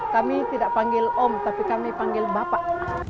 kami tidak panggil om tapi kami panggil bapak